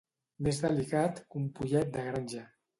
Més delicat que un pollet de granja.